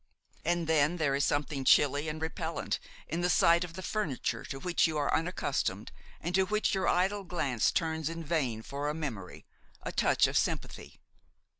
And then there is something chilly and repellent in the sight of the furniture to which you are unaccustomed and to which your idle glance turns in vain for a memory, a touch of sympathy.